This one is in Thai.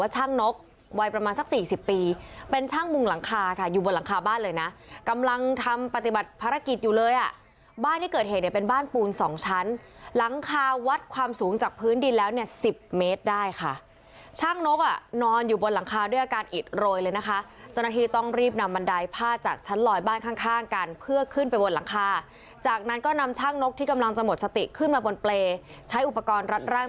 หลังคาค่ะอยู่บนหลังคาบ้านเลยนะกำลังทำปฏิบัติภารกิจอยู่เลยอ่ะบ้านที่เกิดเหตุเนี่ยเป็นบ้านปูนสองชั้นหลังคาวัดความสูงจากพื้นดินแล้วเนี่ยสิบเมตรได้ค่ะช่างนกอ่ะนอนอยู่บนหลังคาด้วยอาการอิดโรยเลยนะคะจนทีต้องรีบนำบันไดผ้าจากชั้นลอยบ้านข้างกันเพื่อขึ้นไปบนหลังคาจากนั้น